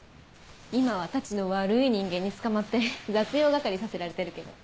今はたちの悪い人間に捕まって雑用係させられてるけど。